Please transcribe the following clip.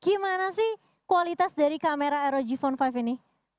gimana sih kualitas dari kamera rog phone lima ini